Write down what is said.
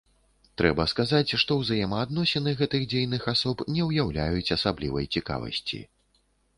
Трэба сказаць, што ўзаемаадносіны гэтых дзейных асоб не ўяўляюць асаблівай цікавасці.